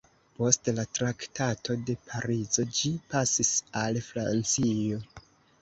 Post la Traktato de Parizo ĝi pasis al Francio.